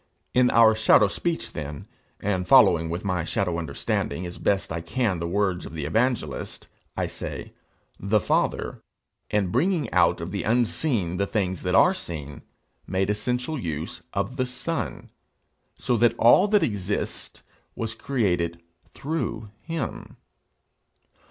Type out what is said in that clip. In our shadow speech then, and following with my shadow understanding as best I can the words of the evangelist, I say, The Father, in bringing out of the unseen the things that are seen, made essential use of the Son, so that all that exists was created through him.